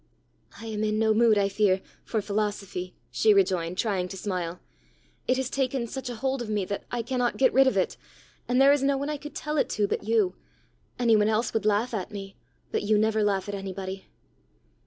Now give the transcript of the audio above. "I am in no mood, I fear, for philosophy," she rejoined, trying to smile. "It has taken such a hold of me that I cannot get rid of it, and there is no one I could tell it to but you; any one else would laugh at me; but you never laugh at anybody!